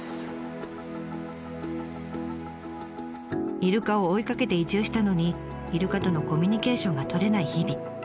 イルカを追いかけて移住したのにイルカとのコミュニケーションが取れない日々。